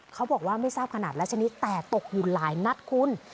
เขาบอกว่าไม่ทราบขนาดและชนิดแต่ตกอยู่หลายนัดคุณ